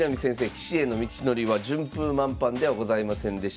棋士への道のりは順風満帆ではございませんでした。